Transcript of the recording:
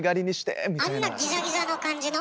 あんなギザギザの感じの？